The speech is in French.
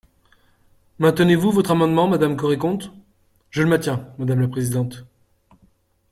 Maintenez-vous votre amendement, madame Carrey-Conte ? Je le maintiens, madame la présidente.